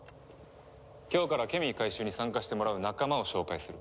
今日からケミー回収に参加してもらう仲間を紹介する。